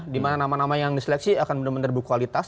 dimana nama nama yang diseleksi akan benar benar berkualitas